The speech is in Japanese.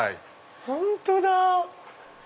本当だ！